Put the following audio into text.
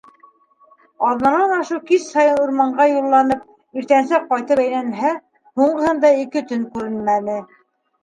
Аҙнанан ашыу кис һайын урманға юлланып, иртәнсәк ҡайтып әйләнһә, һуңғыһында ике төн күренмәне.